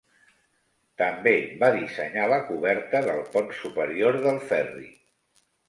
També va dissenyar la coberta del Pont Superior del Ferri.